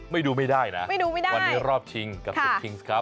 ดูไม่ได้นะวันนี้รอบชิงกับคุณคิงส์ครับ